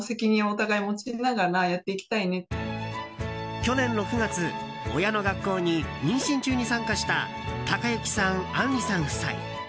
去年６月、親のがっこうに妊娠中に参加したたかゆきさん、あんりさん夫妻。